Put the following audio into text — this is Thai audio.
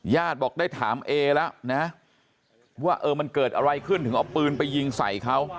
บอกได้ถามเอแล้วนะว่าเออมันเกิดอะไรขึ้นถึงเอาปืนไปยิงใส่เขา